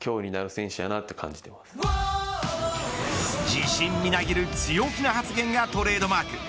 自信みなぎる強気な発言がトレードマーク。